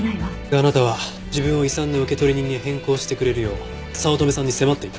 あなたは自分を遺産の受取人に変更してくれるよう早乙女さんに迫っていた。